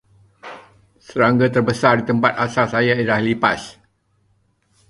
Serangga terbesar di tempat asal saya ialah lipas.